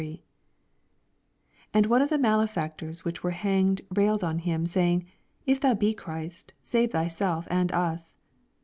89 And one of the malefactors which were hanged railed on him. Baying, If thou be Christ, save thyseli and ns.